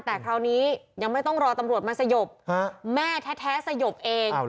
แต่คราวนี้ยังไม่ต้องรอตำรวจมาสยบแม่แท้สยบเอง